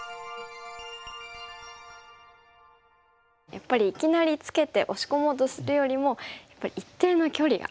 やっぱりいきなりツケて押し込もうとするよりも一定の距離が大切なんですね。